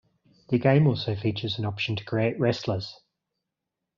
The game also features the option to create wrestlers.